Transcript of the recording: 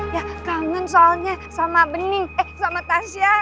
ya kangen soalnya sama bening eh sama tasya